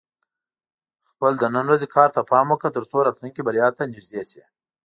خپل د نن ورځې کار ته پام وکړه، ترڅو راتلونکې بریا ته نږدې شې.